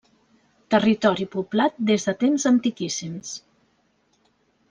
Territori poblat des de temps antiquíssims.